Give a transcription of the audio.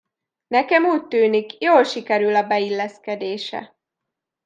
Nekem úgy tűnik, jól sikerül a beilleszkedése.